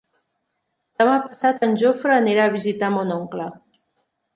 Demà passat en Jofre anirà a visitar mon oncle.